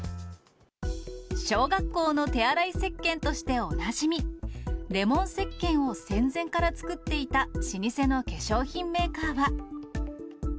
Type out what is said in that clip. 小学校の手洗いせっけんとしておなじみ、レモン石鹸を戦前から作っていた老舗の化粧品メーカーは。